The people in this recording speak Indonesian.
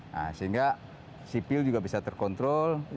nah sehingga sipil juga bisa terkontrol